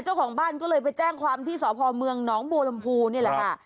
เจ้าของบ้านก็เลยไปแจ้งความที่สพเมืองหนองบัวลำพูนี่แหละค่ะ